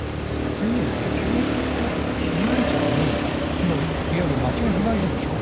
でもね、警察だって、被害者に、いわば町が被害者でしょ。